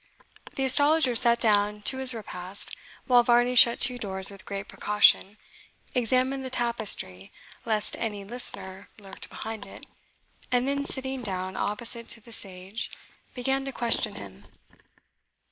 The astrologer sat down to his repast, while Varney shut two doors with great precaution, examined the tapestry, lest any listener lurked behind it, and then sitting down opposite to the sage, began to question him.